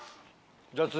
じゃあ次。